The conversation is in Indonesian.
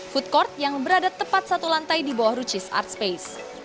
food court yang berada tepat satu lantai di bawah ruchis art space